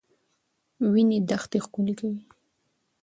وینې دښته ښکلې کولې.